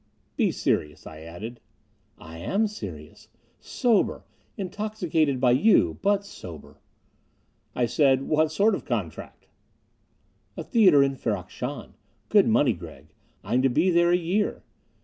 "Be serious," I added. "I am serious. Sober. Intoxicated by you, but sober." I said, "What sort of a contract?" "A theater in Ferrok Shahn. Good money, Gregg. I'm to be there a year."